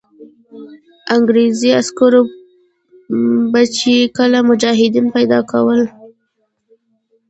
انګرېزي عسکرو به چې کله مجاهدین پیدا کول.